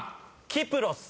「キプロス」！